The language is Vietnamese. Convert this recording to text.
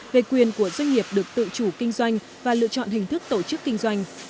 về quyền của doanh nghiệp được tự chủ kinh doanh và lựa chọn hình thức tổ chức kinh doanh